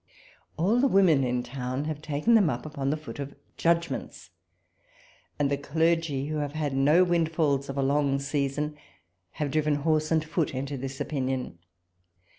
All the women in town have taken them up upon the foot oi Jvcbiments ; and the clergy, who have had no windfalls of a long season, have driven horse and foot into this opinion.